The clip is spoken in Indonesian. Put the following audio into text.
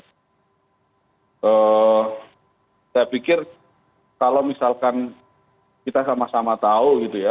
saya pikir kalau misalkan kita sama sama tahu gitu ya